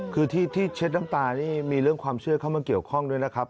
คือที่เช็ดน้ำตานี่มีเรื่องความเชื่อเข้ามาเกี่ยวข้องด้วยนะครับ